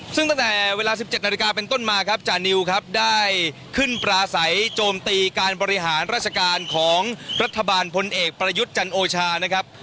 ซึ่งตั้งแต่เวลา๑๗นาฬิกาเป็นต้นมาครับจานิวครับได้ขึ้นปลาใสโจมตีการบริหารราชการของรัฐบาลพลเอกประยุทธ์จันโอชานะครับ